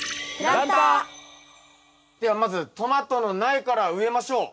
ではまずトマトの苗から植えましょう。